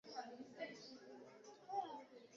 Bibilia ni kitabu ambacho kitaishi milele.